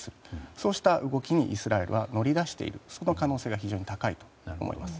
そうした動きにイスラエルは乗り出しているその可能性が非常に高いと思います。